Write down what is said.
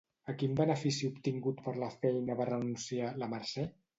A quin benefici obtingut per la feina va renunciar, la Mercè?